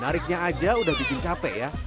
nariknya aja udah bikin capek ya